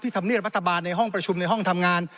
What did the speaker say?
ที่ทำเนื้อพัฒนาบาลในห้องประชุมในห้องทำงาน